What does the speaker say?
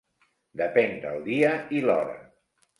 Depèn del dia i l'hora.